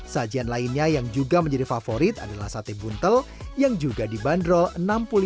sajian lainnya yang juga menjadi favorit adalah sate buntel yang juga dibanderol enam puluh lima